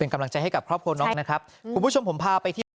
กำลังใจให้กับครอบครัวน้องนะครับคุณผู้ชมผมพาไปเที่ยว